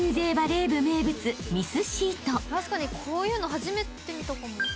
確かにこういうの初めて見たかも。